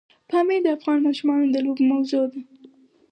پامیر د افغان ماشومانو د لوبو موضوع ده.